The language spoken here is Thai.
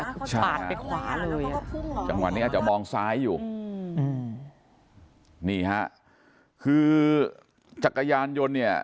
เขาปาดไปขวาเลยอ่ะจังหวะนี้อาจจะมองซ้ายอยู่อืมนี่ฮะคือจักรยานยนต์เนี่ย